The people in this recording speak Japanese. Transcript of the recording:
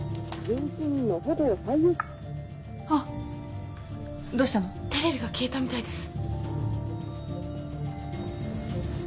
あどうしたの？テレビが消えたみたいです。